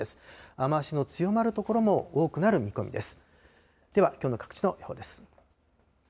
雨足の強まる所も多くなる見込みです。